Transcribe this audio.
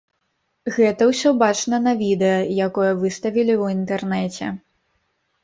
Гэта ўсё бачна на відэа, якое выставілі ў інтэрнэце.